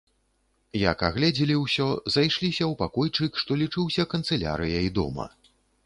Як агледзелі ўсё, зайшліся ў пакойчык, што лічыўся канцылярыяй дома.